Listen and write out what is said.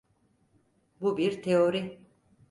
Bu bir teori.